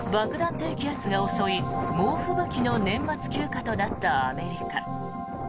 低気圧が襲い猛吹雪の年末休暇となったアメリカ。